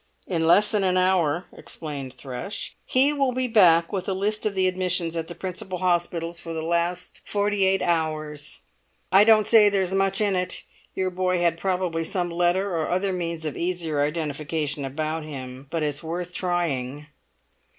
"In less than an hour," explained Thrush, "he will be back with a list of the admissions at the principal hospitals for the last forty eight hours. I don't say there's much in it; your boy had probably some letter or other means of easier indentification about him; but it's worth trying."